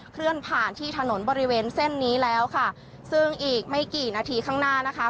เคลื่อนผ่านที่ถนนบริเวณเส้นนี้แล้วค่ะซึ่งอีกไม่กี่นาทีข้างหน้านะคะ